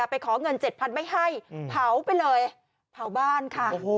ไปขอเงิน๗๐๐ไม่ให้เผาไปเลยเผาบ้านค่ะ